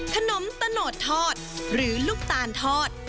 ขนมตะโนดทอดหรือลูกตาลทอด